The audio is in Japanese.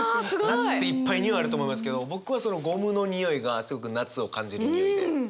夏っていっぱいにおいあると思いますけど僕はそのゴムのにおいがすごく夏を感じるにおいで。